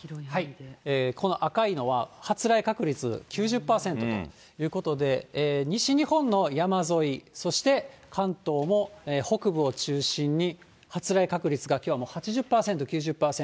この赤いのは、発雷確率９０％ということで、西日本の山沿い、そして関東も北部を中心に発雷確率がきょうはもう８０％、９０％。